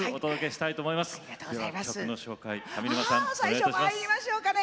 最初まいりましょうかね。